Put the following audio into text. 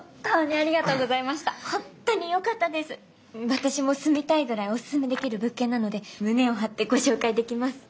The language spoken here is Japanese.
私も住みたいぐらいおすすめできる物件なので胸を張ってご紹介できます。